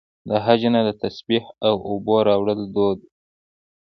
د حج نه د تسبیح او اوبو راوړل دود دی.